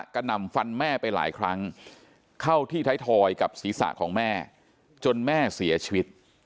หน่ำฟันแม่ไปหลายครั้งเข้าที่ไทยทอยกับศีรษะของแม่จนแม่เสียชีวิต